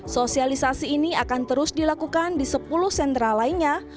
sosialisasi ini akan terus dilakukan di sepuluh sentra lainnya